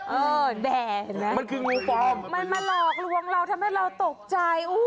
เออแด่เห็นไหมมันคืองูปลอมมันมาหลอกลวงเราทำให้เราตกใจ